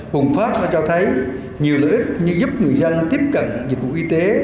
bùng phát đã cho thấy nhiều lợi ích như giúp người dân tiếp cận dịch vụ y tế